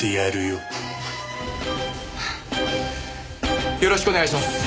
よろしくお願いします。